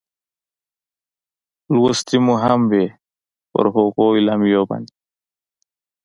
لوستې مو هم وې، پر هغو اعلامیو باندې.